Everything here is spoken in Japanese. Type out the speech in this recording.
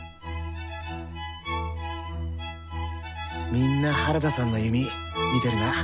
みんな原田さんの弓見てるな。